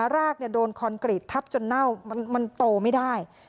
รากโดนคอนกรีตทับจนเน่ามันโตไม่ได้